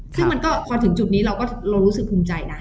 ซึ่งมันก็พอถึงจุดนี้เราก็เรารู้สึกภูมิใจนะ